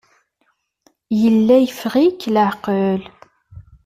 Yella yeffeɣ-ik leɛqel.